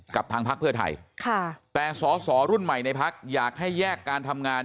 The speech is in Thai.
กับทางพักเพื่อไทยแต่สอสอรุ่นใหม่ในพักอยากให้แยกการทำงาน